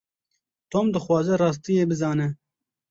Tom dixwaze rastiyê bizane.